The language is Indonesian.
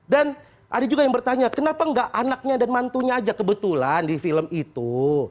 dan ada juga yang bertanya kenapa enggak anaknya dan mantunya aja kebetulan di film itu